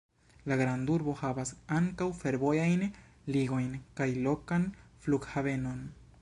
La grandurbo havas ankaŭ fervojajn ligojn kaj lokan flughavenon.